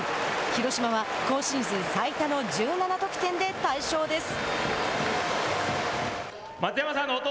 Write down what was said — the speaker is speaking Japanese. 広島は今シーズン最多の１７得点で大勝です。